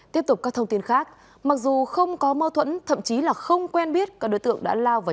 tiếp tục các thông tin khác mặc dù không có mâu thuẫn thậm chí là không quen biết các đối tượng đã lao vào